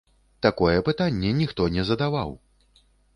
Такое пытанне ніхто не задаваў!